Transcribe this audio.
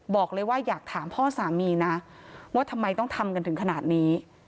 บอกเลยว่าอยากถามพ่อสามีนะว่าทำไมต้องทำกันถึงขนาดนี้